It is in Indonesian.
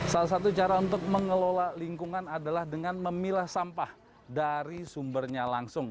salah satu cara untuk mengelola lingkungan adalah dengan memilah sampah dari sumbernya langsung